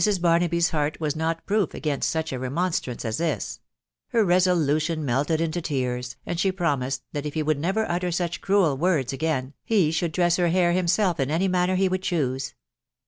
Barnaby's heart was not proof against such a remonstrance as this ; her reso lution melted into tears, and she promised that if he never would utter such cruel words again, he should dress her hsk himself in any manner he would choose.